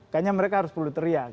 kayaknya mereka harus perlu teriak